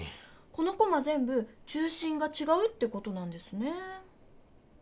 このコマぜんぶ中心がちがうってことなんですね。